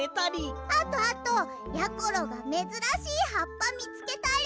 あとあとやころがめずらしいはっぱみつけたり！